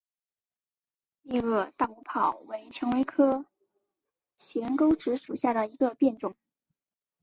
裂萼大乌泡为蔷薇科悬钩子属下的一个变种。